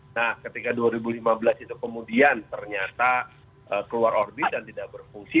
nah ketika dua ribu lima belas itu kemudian ternyata keluar orbit dan tidak berfungsi